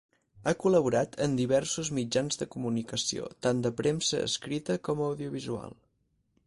Ha col·laborat en diversos mitjans de comunicació, tant de premsa escrita com audiovisual.